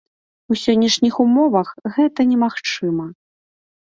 У сённяшніх умовах гэта немагчыма.